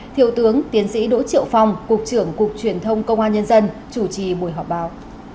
thiếu tướng tiến sĩ đỗ triệu phong cục trưởng cục truyền thông công an nhân dân chủ trì buổi họp báo